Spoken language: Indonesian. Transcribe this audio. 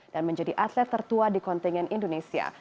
dan menjadi atlet tertua di kontengan indonesia